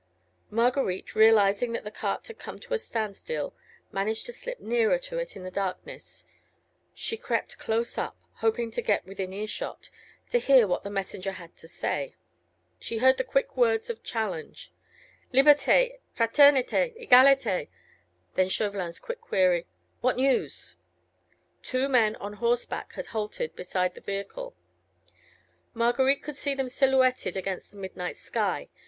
Marguerite, realising that the cart had come to a standstill, managed to slip nearer to it in the darkness; she crept close up, hoping to get within earshot, to hear what the messenger had to say. She heard the quick words of challenge— "Liberté, Fraternité, Egalité!" then Chauvelin's quick query:— "What news?" Two men on horseback had halted beside the vehicle. Marguerite could see them silhouetted against the midnight sky.